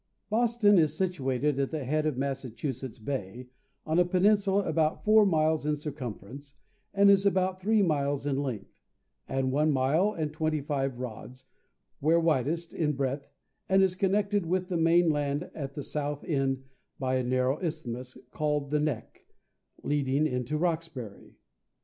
Boston is situated at the head of Massachusetts bay, on a peninsula about four miles in circumference, and is about three miles in length, and one mile and twenty five rods, where widest, in breadth, and is connected with the main land at the south end by a narrow isthmus, called the Neck, leading to Roxbury.